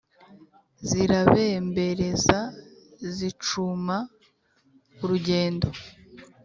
zirabembereza zicuma urugendo